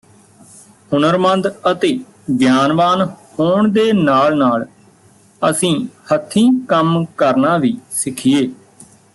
ਹੁਨਰਮੰਦ ਅਤੇ ਗਿਆਨਵਾਨ ਹੋਣ ਦੇ ਨਾਲ ਨਾਲ ਅਸੀਂ ਹੱਥੀਂ ਕੰਮ ਕਰਨਾ ਵੀ ਸਿੱਖੀਏ